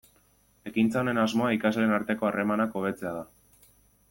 Ekintza honen asmoa ikasleen arteko harremanak hobetzea da.